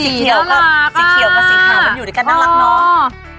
สีเขียวก็สีขาวอยู่ด้วยกันน่ารักเนาะ